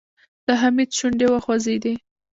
د حميد شونډې وخوځېدې.